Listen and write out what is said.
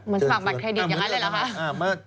สมัครบัตรเครดิตอย่างนั้นเลยเหรอคะ